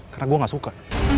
karena gue gak suka